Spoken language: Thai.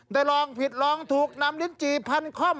ได้ลองผิดลองถูกนำลิ้นจี่พันค่อม